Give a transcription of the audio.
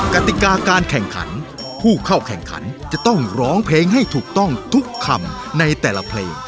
กติกาการแข่งขันผู้เข้าแข่งขันจะต้องร้องเพลงให้ถูกต้องทุกคำในแต่ละเพลง